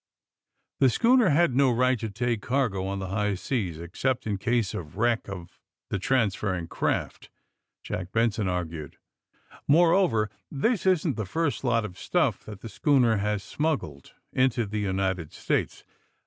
"The schooner had no right to take cargo on the high seas, except in case of wreck of the transferring craft," Jack Benson argued. "Moreover, this isn't the first lot of stuii that the schooner has smuggled into the United States.